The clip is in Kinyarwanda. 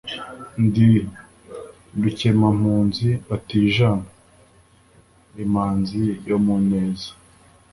Ndi Rukemampunzi batijana, imanzi yo mu neza,